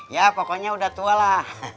ya pokoknya udah tua lah